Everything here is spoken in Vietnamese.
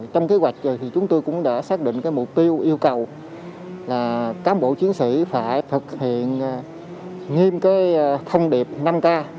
trong kế hoạch thì chúng tôi cũng đã xác định cái mục tiêu yêu cầu là cán bộ chiến sĩ phải thực hiện nghiêm thông điệp năm k